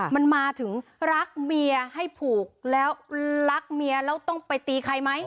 มันมาถึงรักเมียให้ผูกแล้วรักเมียแล้วต้องไปตีใครไหม